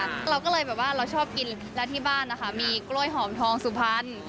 เราก็เลยแบบว่าเราชอบกินและที่บ้านนะคะมีกล้วยหอมทองสุพรรณ